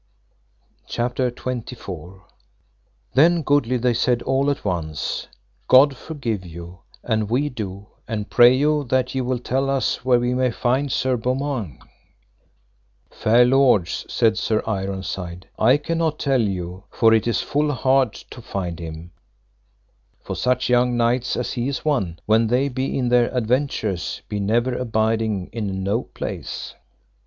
CHAPTER XXIV. How King Arthur pardoned them, and demanded of them where Sir Gareth was. Then goodly they said all at once, God forgive you, and we do, and pray you that ye will tell us where we may find Sir Beaumains. Fair lords, said Sir Ironside, I cannot tell you, for it is full hard to find him; for such young knights as he is one, when they be in their adventures be never abiding in no place.